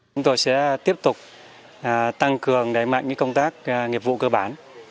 chúng tôi sẽ tiếp tục tăng cường đẩy mạnh công tác nghiệp vụ cơ bản